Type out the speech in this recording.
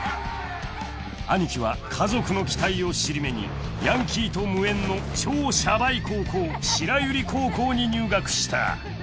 ［アニキは家族の期待を尻目にヤンキーと無縁の超シャバい高校白百合高校に入学した］